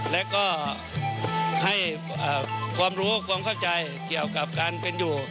และก็ให้ความรู้ความเข้าใจเกี่ยวกับการเป็นอยู่